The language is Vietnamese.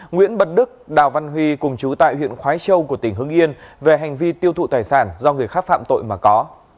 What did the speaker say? nguyễn bật đức đào văn huy cùng chú tại huyện khói châu của tỉnh hưng yên về hành vi tiêu thụ tài sản do người khác phạm tội mà có